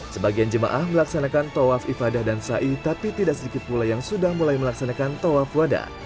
sebagian jemaah melaksanakan tawaf ifadah dan syai tapi tidak sedikit pula yang sudah mulai melaksanakan tawaf wadah